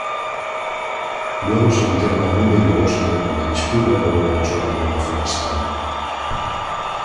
Luego se interna en un bello bosque donde discurre por un ancho camino forestal.